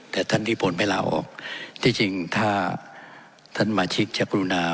แต่ท่านนิพนธ์ไม่ลาออกที่จริงถ้าท่านสมาชิกจะกรุณา